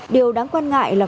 điều đáng quan ngại là